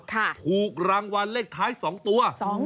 ถูกรางวัลเลขท้าย๒ตัว